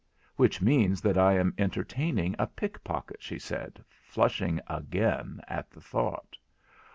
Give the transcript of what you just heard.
'Which means that I am entertaining a pickpocket,' said she, flushing again at the thought.